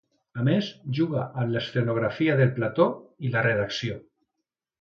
A més juga amb l'escenografia del plató i la redacció.